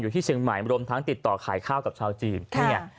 อยู่ที่เชียงใหม่รวมทั้งติดต่อขายข้าวกับชาวจีนค่ะเนี้ย